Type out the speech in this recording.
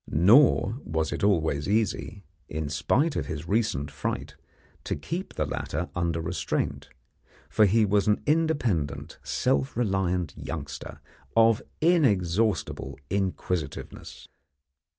Nor was it always easy, in spite of his recent fright, to keep the latter under restraint, for he was an independent, self reliant youngster, of inexhaustible inquisitiveness.